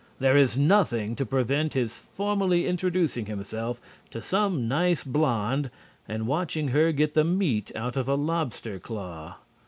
There is nothing to prevent his formally introducing himself to some nice blonde and watching her get the meat out of a lobster claw.